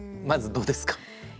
まずどうですか？